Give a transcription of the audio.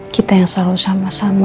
kita yang selalu sama sama